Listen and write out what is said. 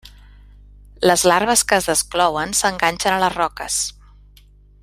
Les larves que es desclouen s'enganxen a les roques.